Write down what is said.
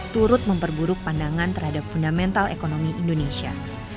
turut memperburuk pandangan terhadap fundamental ekonomi indonesia